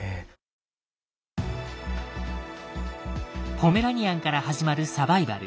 ポメラニアンから始まるサバイバル。